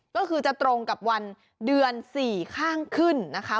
ก็คือจะตรงกับวันเดือน๔ข้างขึ้นนะคะ